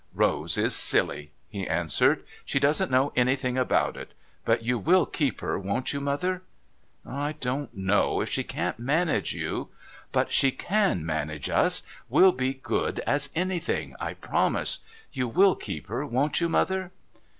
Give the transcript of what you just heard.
"Rose is silly," he answered. "She doesn't know anything about it. But you will keep her, won't you, Mother?" "I don't know if she can't manage you " "But she can manage us. We'll be good as anything, I promise. You will keep her, won't you, Mother?"